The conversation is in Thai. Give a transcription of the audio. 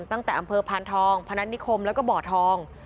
ตั้งแต่อำเภอพานทองพนัฐนิคมแล้วก็บ่อทอง